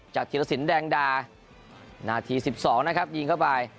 จากธีรศิลป์แดงดาหน้าที๑๒นะครับยิงเข้าไป